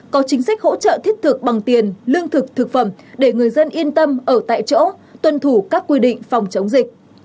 có chính sách hỗ trợ thiết thực bằng tiền lương thực thực phẩm để người dân yên tâm ở tại chỗ tuân thủ các quy định phòng chống dịch